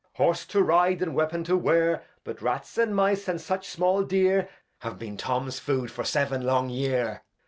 Horse to ride, and Weapon to wear. But Rats and Mice, and such small Deer, Have been Tom's Food for seven long Year.